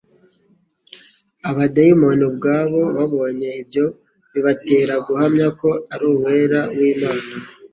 Abadaimoni ubwabo babonye ibyo, bibatera guhamya ko ari « Uwera w'Imana." »